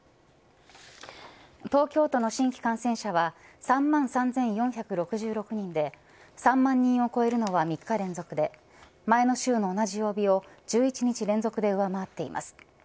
東京都の新規感染者は３万３４６６人で３万人を超えるのは３日連続で前の週の同じ曜日を１１日連続で上回っています。